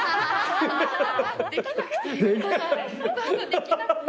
できなくて。